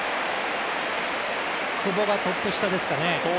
久保がトップ下ですかね。